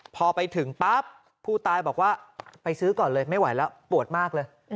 พอไปถึงปั๊บผู้ตายบอกว่าไปซื้อก่อนเลยไม่ไหวแล้วปวดมากเลย